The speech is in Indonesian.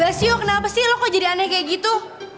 basio kenapa sih lo kok jadi aneh kayak gitu